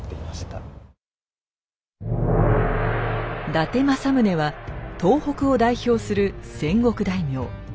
伊達政宗は東北を代表する戦国大名。